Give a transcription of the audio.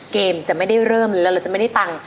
จะไม่ได้เริ่มแล้วเราจะไม่ได้ตังค์